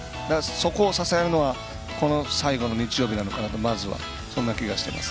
そこを支えるのは最後の日曜日なのかなとそんな気がしています。